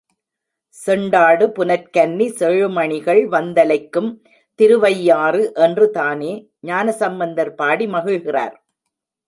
செண்டாடு புனற் கன்னி, செழுமணிகள் வந்தலைக்கும் திருவையாறு என்றுதானே ஞானசம்பந்தர் பாடி மகிழ்கிறார்.